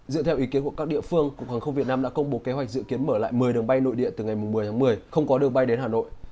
dựa theo ý kiến của các địa phương cục hàng không việt nam đã công bố kế hoạch dự kiến mở lại một mươi đường bay nội địa từ ngày một mươi tháng một mươi không có đường bay đến hà nội